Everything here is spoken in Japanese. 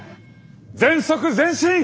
全速前進！